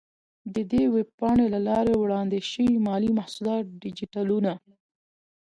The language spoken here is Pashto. د دې ویب پاڼې له لارې وړاندې شوي مالي محصولات ډیجیټلونه،